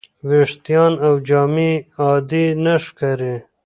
ویښتان او جامې عادي نه ښکاري.